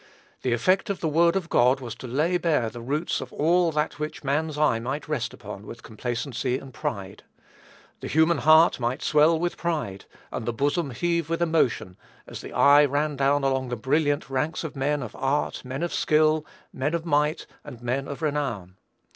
The effect of the word of God was to lay bare the roots of all that which man's eye might rest upon with complacency and pride. The human heart might swell with pride, and the bosom heave with emotion, as the eye ran down along the brilliant ranks of men of art, men of skill, "men of might," and "men of renown."